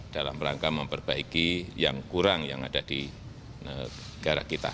dalam rangka memperbaiki yang kurang yang ada di negara kita